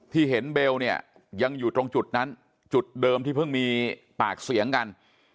ที่เห็นเบลเนี่ยยังอยู่ตรงจุดนั้นจุดเดิมที่เพิ่งมีปากเสียงกัน